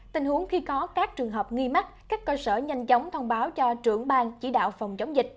tình huống khi có các trường hợp nghi mắc các cơ sở nhanh chóng thông báo cho trưởng bang chỉ đạo phòng chống dịch